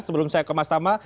sebelum saya kemas sama